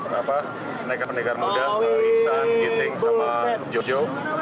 mereka pendekar muda isan giting sama jojo